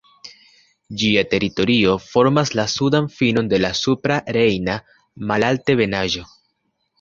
Ĝia teritorio formas la sudan finon de la Supra Rejna Malaltebenaĵo.